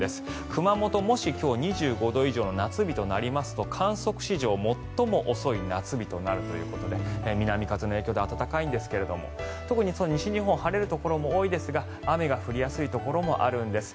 熊本、もし今日２５度以上の夏日になりますと観測史上最も遅い夏日となるということで南風の影響で暖かいんですが特に西日本は晴れるところも多いですが雨の降りやすいところもあるんです。